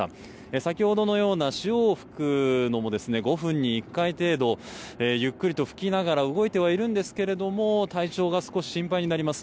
先ほどのような潮を吹くのも５分に１回程度ゆっくりと吹きながら動いてはいるんですが体調が少し心配になります。